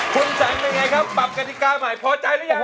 คุณสันเป็นไงครับปรับกฎิกาใหม่พอใจหรือยัง